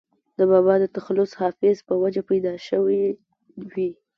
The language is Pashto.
دَبابا دَ تخلص “حافظ ” پۀ وجه پېدا شوې وي